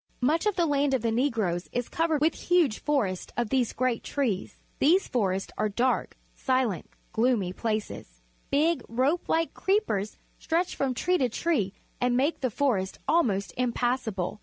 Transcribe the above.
Much of the land of the Negroes is covered with huge forests of these great trees. These forests are dark, silent, gloomy places. Big, rope like creepers stretch from tree to tree and make the forest almost impassable.